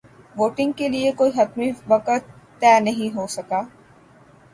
voting کے لیے کوئی حتمی وقت طے نہیں ہو سکا